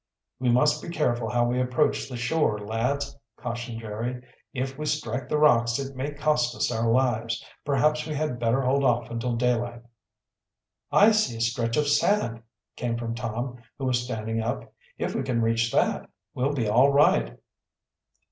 "We must be careful how we approach the shore, lads," cautioned Jerry. "If we strike the rocks, it may cost us our lives. Perhaps we had better hold off until daylight." "I see a stretch of sand!" came from Tom, who was standing up. "If we can reach that, we'll be all right."